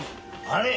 あれ？